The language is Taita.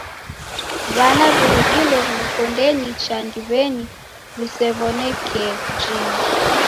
W'ana w'arudilo nokondenyi cha ndiw'enyi w'isew'oneke jingi.